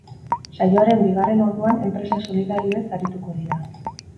Saioaren bigarren orduan enpresa solidarioez arituko dira.